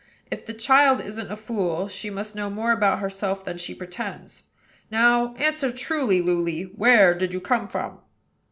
If the child isn't a fool, she must know more about herself than she pretends. Now, answer truly, Luly, where did you come from?"